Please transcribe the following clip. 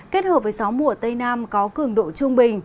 kết hợp với gió mùa tây nam có cường độ trung bình